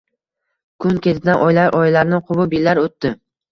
Kun ketidan oylar, oylarni quvib yillar oʻtdi